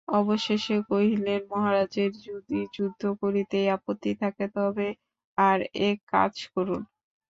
অবশেষে কহিলেন, মহারাজের যদি যুদ্ধ করিতেই আপত্তি থাকে, তবে আর-এক কাজ করুন।